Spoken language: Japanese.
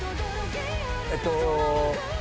えっと。